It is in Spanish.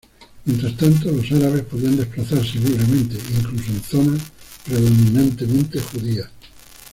Mientras tanto, los árabes podían desplazarse libremente, incluso en zonas predominantemente judías.